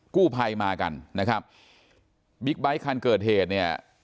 กู้ภัยมากันนะครับบิ๊กไบท์คันเกิดเหตุเนี่ย